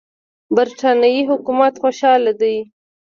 برټانیې حکومت خوشاله دی.